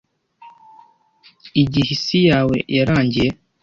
Igihe isi yawe yarangiye?